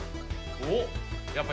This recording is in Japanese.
おっ。